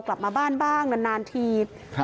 กลับมาบ้านบ้างนานที